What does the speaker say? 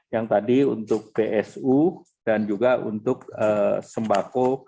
yang tadi untuk psu dan juga untuk sembako